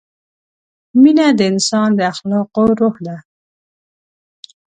مینه د انسان د اخلاقو روح ده.